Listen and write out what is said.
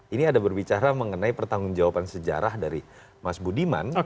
ini ada berbicara mengenai pertanggung jawaban sejarah dari mas budiman